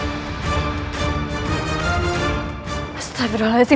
hamba datang kepada pangan senur jati